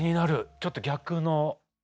ちょっと逆の。